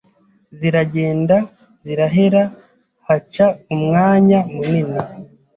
Ziragenda zirahera Haca umwanya munini